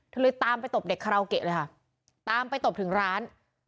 เลยตามไปตบเด็กคาราโอเกะเลยค่ะตามไปตบถึงร้าน